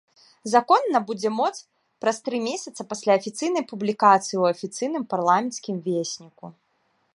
Закон набудзе моц праз тры месяца пасля афіцыйнай публікацыі ў афіцыйным парламенцкім весніку.